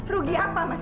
rugi apa mas